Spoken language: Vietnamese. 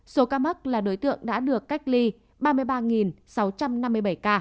số ca mắc là đối tượng đã được cách ly ba mươi ba sáu trăm năm mươi bảy ca